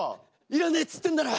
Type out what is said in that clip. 「要らねえっつってんだろ！」。